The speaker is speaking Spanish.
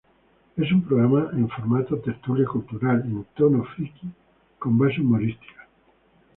Es un programa en formato tertulia cultural, en tono "friki" con base humorística.